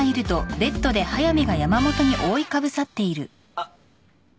あっ。